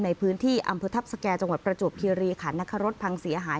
ในพื้นที่อำเภอทัพสแก่จังหวัดประจวบคิริขันนะคะรถพังเสียหาย